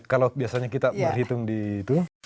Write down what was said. kalau biasanya kita berhitung di itu